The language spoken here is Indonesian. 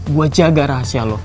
gua jaga rahasia lu